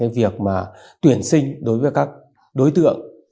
việc tuyển sinh đối với các đối tượng